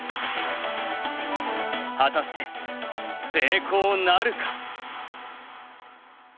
果たして成功なるか。